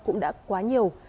cũng đã quá nhiều